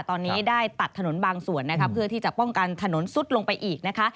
ตอนนี้ได้ตัดถนนบางส่วนนะคะเพื่อที่จะป้องกันถนนซุดลงไปอีกนะคะ